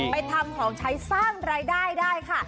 ไปทำของใช้สร้างรายได้ได้ค่ะ